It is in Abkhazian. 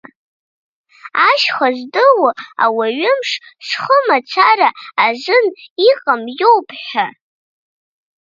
Ашьха здыло ауаҩымш зхымацара азын иҟам иоуп ҳәа.